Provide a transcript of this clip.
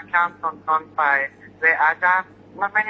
หรอแค่ซื้อผูทาเหรอ